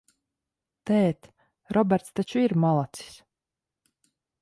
Tēt, Roberts taču ir malacis?